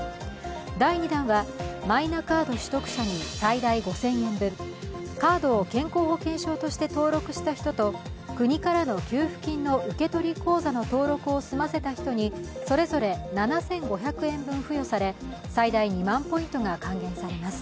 第２弾はマイナカード取得者に最大５０００円分、カードを健康保険証として登録した人と国からの給付金の受け取り口座の登録を済ませた人にそれぞれ７５００円分付与され、最大２万ポイントが還元されます。